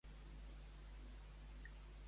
Avui per dinar hi ha cananes amb mongetes del ganxet